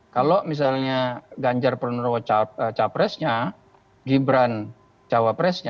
kalau misalnya ganjar penerima capresnya gibran capresnya